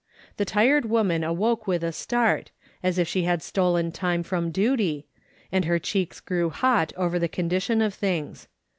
The tired woman awoke with a start, as if she had stolen time from duty, and her cheeks grew hot over the condition of things.